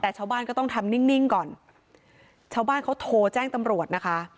แต่ชาวบ้านก็ต้องทำนิ่งนิ่งก่อนชาวบ้านเขาโทรแจ้งตำรวจนะคะ